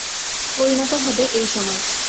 পরিণত হবে এই সমাজ।